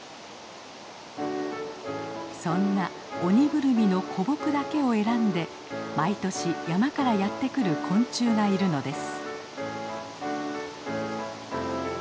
そんなオニグルミの古木だけを選んで毎年山からやって来る昆虫がいるのです。